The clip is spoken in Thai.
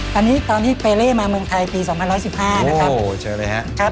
ตอนนี้เบรเลมาเมืองไทยปี๒๐๑๕นะครับ